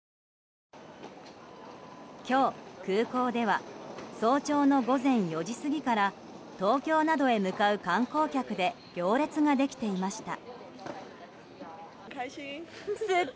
今日、空港では早朝の午前４時過ぎから東京などへ向かう観光客で行列ができていました。